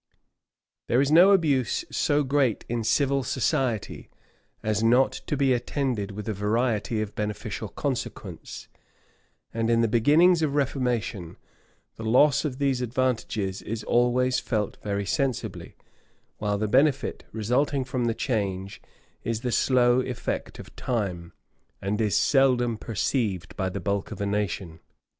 } There is no abuse so great in civil society, as not to be attended with a variety of beneficial consequence; and in the beginnings of reformation, the loss of these advantages is always felt very sensibly, while the benefit, resulting from the change is the slow effect of time, and is seldom perceived by the bulk of a nation.